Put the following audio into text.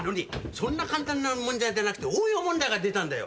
そんな簡単な問題じゃなくて応用問題が出たんだよ。